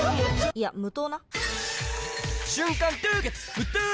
いや無糖な！